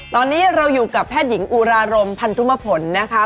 ตอนนี้เราอยู่กับแพทย์หญิงอุรารมพันธุมผลนะคะ